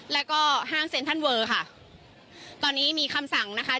แล้วก็ห้างเซ็นทรัลเวอร์ค่ะตอนนี้มีคำสั่งนะคะ